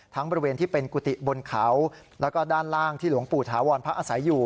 บริเวณที่เป็นกุฏิบนเขาแล้วก็ด้านล่างที่หลวงปู่ถาวรพระอาศัยอยู่